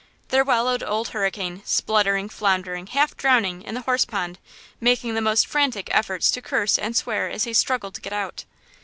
There wallowed Old Hurricane, spluttering, floundering, half drowning, in the horse pond, making the most frantic efforts to curse and swear as he struggled to get out.